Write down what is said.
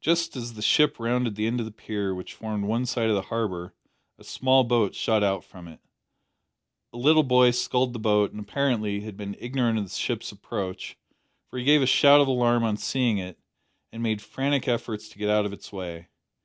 Just as the ship rounded the end of the pier, which formed one side of the harbour, a small boat shot out from it. A little boy sculled the boat, and, apparently, had been ignorant of the ship's approach, for he gave a shout of alarm on seeing it, and made frantic efforts to get out of its way.